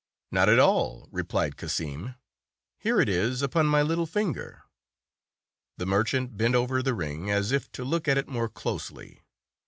"Not at all," replied Cassim. "Here it is upon my little finger." The merchant bent over the ring, as if to look at it more closely.